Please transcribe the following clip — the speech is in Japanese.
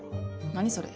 何それ？